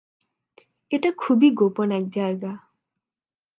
এটা খুবই গোপন এক জায়গা।